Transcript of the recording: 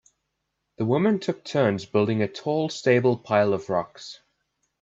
The women took turns building a tall stable pile of rocks.